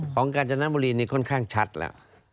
กาญจนบุรีนี่ค่อนข้างชัดแล้ว